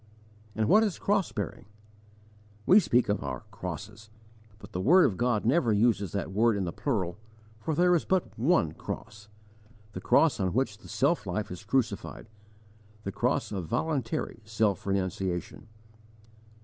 And what is cross bearing? We speak of our 'crosses' but the word of God never uses that word in the plural, for there is but one cross the cross on which the self life is crucified, the cross of voluntary self renunciation.